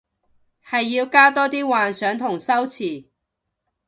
係要加多啲幻想同修辭